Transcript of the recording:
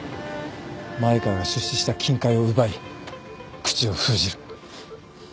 前川が出資した金塊を奪い口を封じる。